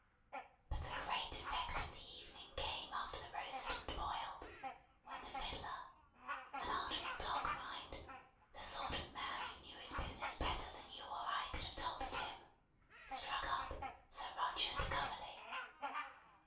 But the great effect of the evening came after the Roast and Boiled, when the fiddler (an artful dog, mind! The sort of man who knew his business better than you or I could have told it him!) struck up "Sir Roger de Coverley."